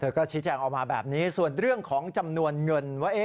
เธอก็ชิดแจ้งออกมาแบบนี้ส่วนเรื่องจำนวนเงิน